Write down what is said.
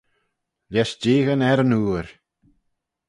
Lesh jeeaghyn er yn ooir.